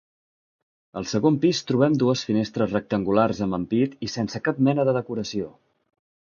Al segon pis trobem dues finestres rectangulars amb ampit sense cap mena de decoració.